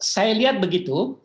saya lihat begitu